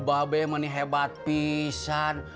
ba be menih hebat pisan